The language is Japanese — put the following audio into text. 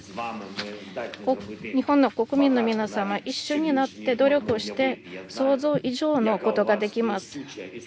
日本の国民の皆様一緒になって努力して、想像以上のことができます